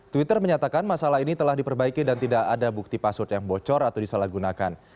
twitter menyatakan masalah ini telah diperbaiki dan tidak ada bukti password yang bocor atau disalahgunakan